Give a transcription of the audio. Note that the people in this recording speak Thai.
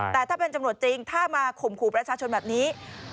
แต่ถ้าเป็นตำรวจจริงถ้ามาข่มขู่ประชาชนแบบนี้